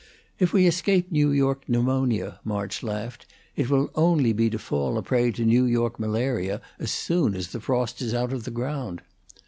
"If we escape New York pneumonia," March laughed, "it will only be to fall a prey to New York malaria as soon as the frost is out of the ground."